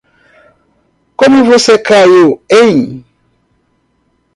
Como você caiu em?